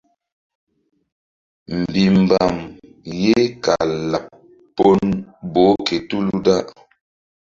Mbihmbam ye kal laɓ boh ke tulu da.